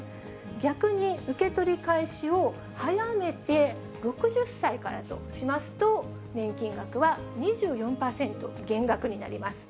逆に、受け取り開始を早めて、６０歳からとしますと、年金額は２４％減額になります。